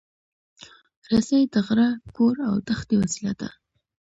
رسۍ د غره، کور، او دښتې وسیله ده.